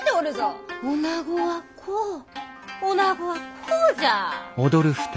女子はこう女子はこうじゃ！